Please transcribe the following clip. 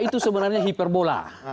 itu sebenarnya hiperbola